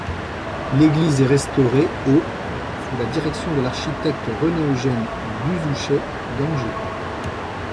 L'église est restaurée au sous la direction de l'architecte René-Eugène Dusouchay d’Angers.